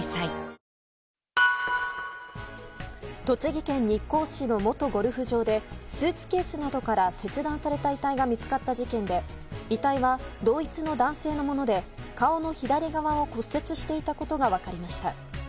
栃木県日光市の元ゴルフ場でスーツケースなどから切断された遺体が見つかった事件で遺体は同一の男性のもので顔の左側を骨折していたことが分かりました。